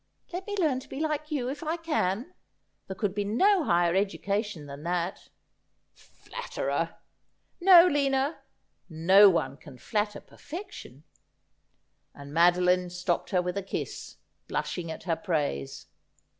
' Let me learn to be like you, if I can. There could be no higher education than that.' 'Flatterer!' ' No, Lina, no one can flatter perfection.' Madoline stopped her with a kiss, blushing at her praise.